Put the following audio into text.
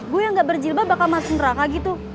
bu yang gak berjilbab bakal masuk neraka gitu